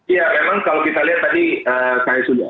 iya memang kalau kita lihat tadi ee kaya sudah